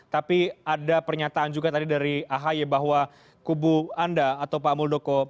tapi ada pernyataan juga tadi dari ahy bahwa kubu anda atau pak muldoko